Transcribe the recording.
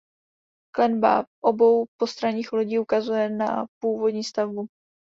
Klenba obou postranních lodí ukazuje na původní stavbu.